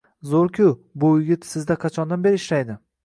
Zoʻr-ku, bu yigit sizda qachondan beri ishlaydi